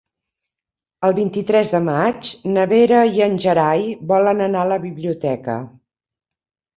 El vint-i-tres de maig na Vera i en Gerai volen anar a la biblioteca.